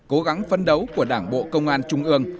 cố gắng phân đấu của đảng bộ công an trung ương